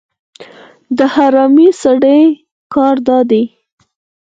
د حرامي سړي کار دا دی.